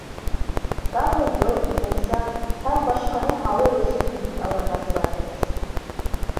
Тағы йорт, мунса һәм башҡаһын һалыр өсөн кредит алырға тура киләсәк.